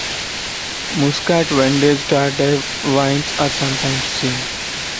Muscat "vendange tardive" wines are sometimes seen.